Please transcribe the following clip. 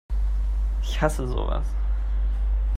Ich hasse sowas!